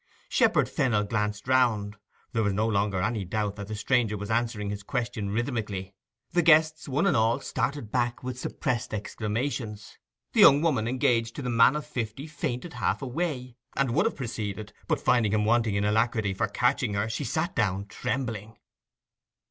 Shepherd Fennel glanced round. There was no longer any doubt that the stranger was answering his question rhythmically. The guests one and all started back with suppressed exclamations. The young woman engaged to the man of fifty fainted half way, and would have proceeded, but finding him wanting in alacrity for catching her she sat down trembling.